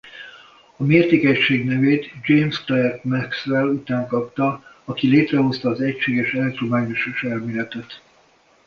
A mértékegység nevét James Clerk Maxwell után kapta aki létrehozta az egységes elektromágneses elméletet.